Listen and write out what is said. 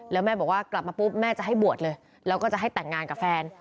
แล้วแม่บอกว่ากลับมาปุ๊บแม่จะให้บวชเลยแล้วก็จะให้แต่งงานกับแฟน